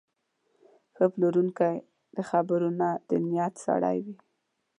ښه پلورونکی د خبرو نه، د نیت سړی وي.